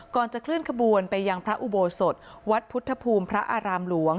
ก่อนจะเคลื่อนขบวนไปยังพระอุโบสถวัดพุทธภูมิพระอารามหลวง